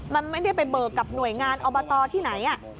มันไม่ได้ไปเบิกกับหน่วยงานอบตที่ไหน